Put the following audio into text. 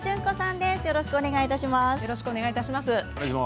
よろしくお願いします。